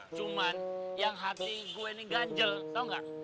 cuman yang hati gue ini ganjel tau gak